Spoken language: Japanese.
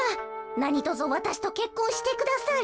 なにとぞわたしとけっこんしてくだされ。